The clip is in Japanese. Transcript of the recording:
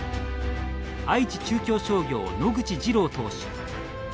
愛知・中京商業、野口二郎投手。